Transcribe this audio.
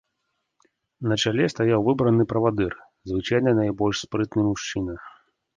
На чале стаяў выбраны правадыр, звычайна найбольш спрытны мужчына.